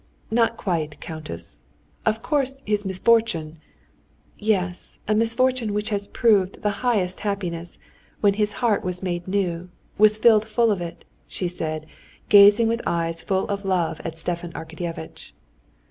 "Not quite, countess. Of course, his misfortune...." "Yes, a misfortune which has proved the highest happiness, when his heart was made new, was filled full of it," she said, gazing with eyes full of love at Stepan Arkadyevitch.